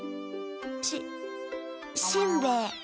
ししんべヱ。